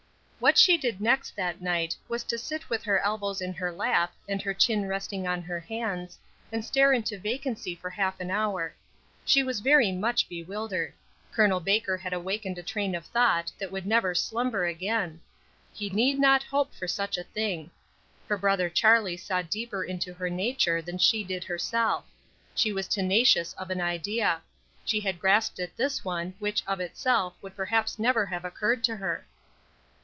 WHAT she did next that night was to sit with her elbows in her lap, and her chin resting on her hands, and stare into vacancy for half an hour. She was very much bewildered. Col. Baker had awakened a train of thought that would never slumber again. He need not hope for such a thing. Her brother Charlie saw deeper into her nature than she did herself. She was tenacious of an idea; she had grasped at this one, which, of itself, would perhaps never have occurred to her.